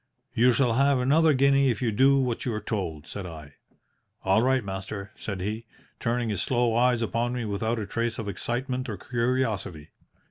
"'You shall have another guinea if you do what you are told,' said I. "'All right, master,' said he, turning his slow eyes upon me without a trace of excitement or curiosity.